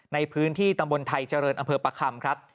ในพื้นที่ตำบลไทยเจริญอำเภอประคำครับ